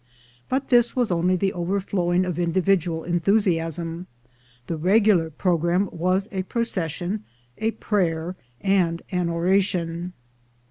But this was only the overflowing of individual enthusiasm; the regu lar program was a procession, a prayer, and an oration.